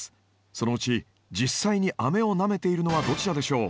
そのうち実際にあめをなめているのはどちらでしょう？